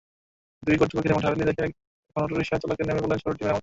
দুই কর্তৃপক্ষের এমন ঠেলাঠেলি দেখে এখন অটোরিকশা চালকেরাই নেমে পড়লেন সড়কটি মেরামতে।